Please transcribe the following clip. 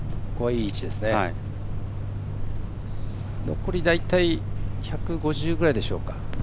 残り、大体１５０ぐらいでしょうか？